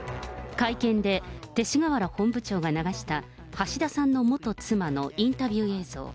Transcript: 会見で勅使河原本部長が流した、橋田さんの元妻のインタビュー映像。